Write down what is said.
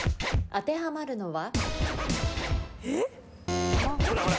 当てはまるのは？